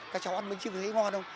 các cháu ăn bánh trưng thấy ngon không